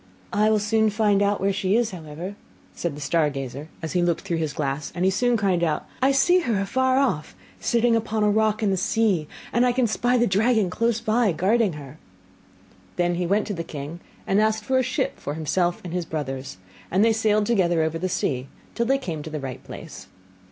'I will soon find out where she is, however,' said the star gazer, as he looked through his glass; and he soon cried out, 'I see her afar off, sitting upon a rock in the sea, and I can spy the dragon close by, guarding her.' Then he went to the king, and asked for a ship for himself and his brothers; and they sailed together over the sea, till they came to the right place.